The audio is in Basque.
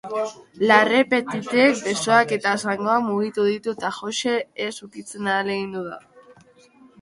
Larrepetitek besoak eta zangoak mugitu ditu eta Joxe ez ukitzen ahalegindu da.